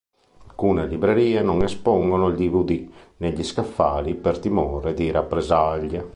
Alcune librerie non espongono il dvd negli scaffali per timore di rappresaglie.